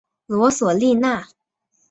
罗索利纳。